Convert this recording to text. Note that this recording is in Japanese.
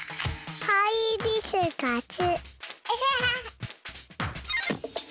ハイビスカス。